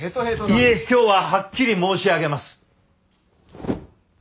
いいえ今日ははっきり申し上げます。